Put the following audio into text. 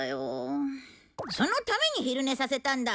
そのために昼寝させたんだ！